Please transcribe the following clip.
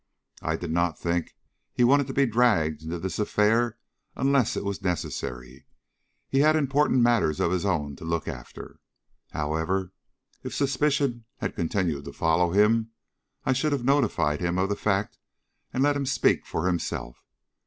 I did not think he wanted to be dragged into this affair unless it was necessary. He had important matters of his own to look after. However, if suspicion had continued to follow him, I should have notified him of the fact, and let him speak for himself.